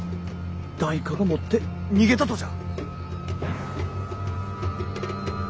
誰かが持って逃げたとじゃ。